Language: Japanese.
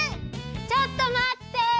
ちょっとまって！